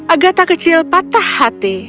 agatha kecil patah hati